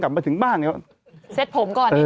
กลับมาถึงบ้านเสร็จผมก่อนนิดนึง